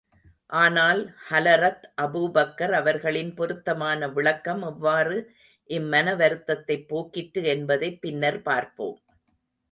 ஆனால் ஹலரத் அபூபக்கர் அவர்களின் பொருத்தமான விளக்கம் எவ்வாறு இம்மனவருத்தத்தைப் போக்கிற்று என்பதைப் பின்னர் பார்ப்போம்.